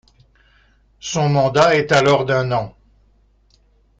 Son mandat est alors d'un an.